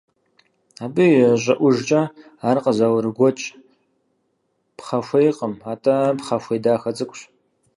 Абы и щӀыӀужкӀэ ар къызэрыгуэкӀ пхъэхуейкъым, атӀэ пхъэхуей дахэ цӀыкӀущ.